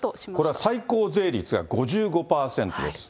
これは最高税率が５５％です。